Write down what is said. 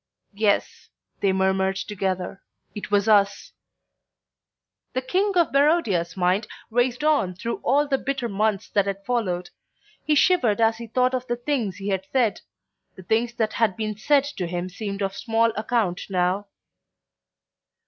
"Yes," they murmured together, "it was us." The King of Barodia's mind raced on through all the bitter months that had followed; he shivered as he thought of the things he had said; the things that had been said to him seemed of small account now.